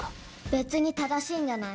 別に正しいんじゃない？